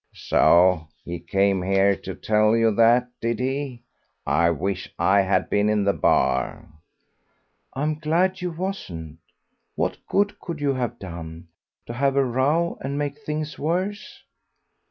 "So he came here to tell you that, did he? I wish I had been in the bar." "I'm glad you wasn't. What good could you have done? To have a row and make things worse!"